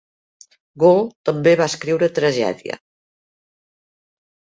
Gould també va escriure tragèdia.